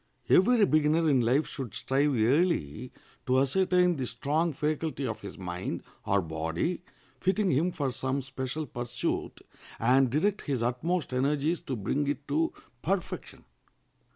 Every beginner in life should strive early to ascertain the strong faculty of his mind or body fitting him for some special pursuit, and direct his utmost energies to bring it to perfection.